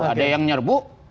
ada yang nyerbu